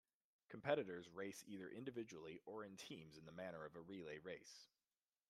Competitors race either individually or in teams in the manner of a relay race.